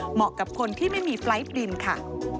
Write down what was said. เหมาะกับคนที่ไม่มีไฟล์ทบินค่ะ